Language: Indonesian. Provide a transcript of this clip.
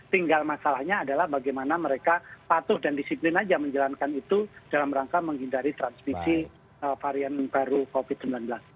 tinggal masalahnya adalah bagaimana mereka patuh dan disiplin aja menjalankan itu dalam rangka menghindari transmisi varian baru covid sembilan belas